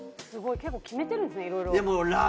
すごい結構決めてるんですねいろいろ。